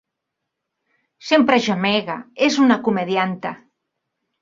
Sempre gemega, és una comedianta.